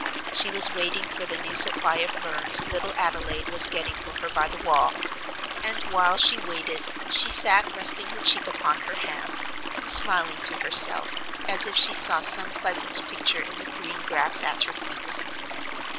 She was waiting for the new supply of ferns little Adelaide was getting for her by the wall; and while she waited she sat resting her cheek upon her hand, and smiling to herself, as if she saw some pleasant picture in the green grass at her feet.